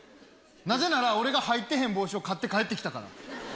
なぜなら俺が入ってへん帽子を買って帰ってきたから。